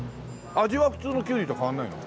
味は普通のきゅうりと変わらないの？